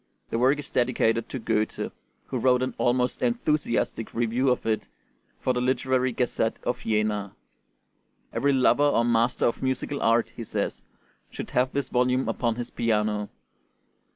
The work is dedicated to Goethe, who wrote an almost enthusiastic review of it for the Literary Gazette of Jena. "Every lover or master of musical art," he says, "should have this volume upon his piano."